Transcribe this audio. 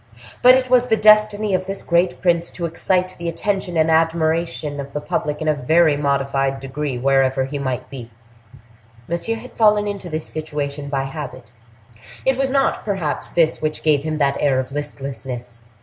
But it was the destiny of this great prince to excite the attention and admiration of the public in a very modified degree wherever he might be. Monsieur had fallen into this situation by habit. It was not, perhaps, this which gave him that air of listlessness.